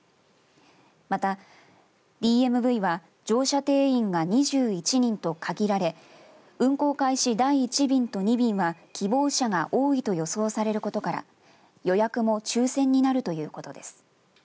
また、ＤＭＶは乗車定員が２１人と限られ運行開始第１便と２便は希望者が多いと予想されることから予約も抽せんになるということです。